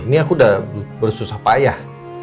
ini aku udah bersusah payah